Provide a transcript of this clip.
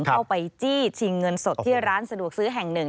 ไปจี้ชิงเงินสดที่ร้านสะดวกซื้อแห่งหนึ่ง